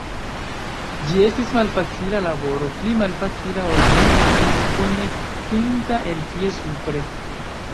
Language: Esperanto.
Ĝi estis malfacila laboro, pli malfacila ol mi estis konjektinta el tie supre.